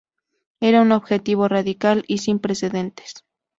Era un objetivo radical y sin precedentes.